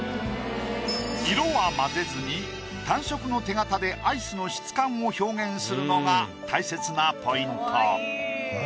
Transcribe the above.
色は混ぜずに単色の手形でアイスの質感を表現するのが大切なポイント。